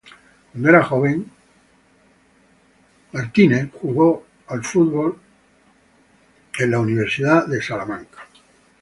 Cuando era joven, Windham jugó al fútbol en la Texas Western University.